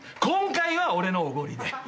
今回は俺のおごりで。